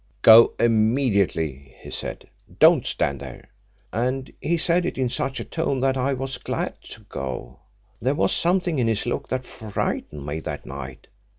'Go immediately,' he said; 'don't stand there,' And he said it in such a tone that I was glad to go. There was something in his look that frightened me that night.